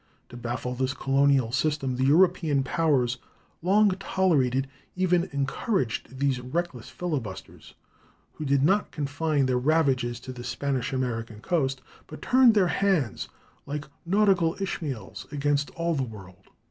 To baffle this colonial system the European powers long tolerated, even encouraged these reckless filibusters, who did not confine their ravages to the Spanish American coast, but turned their hands, like nautical Ishmaels, against all the world.